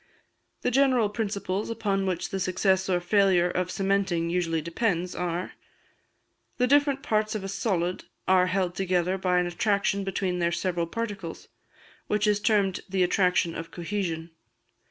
The general principles upon which the success or failure of cementing usually depends are: The different parts of a solid are held together by an attraction between their several particles, which is termed the attraction of cohesion.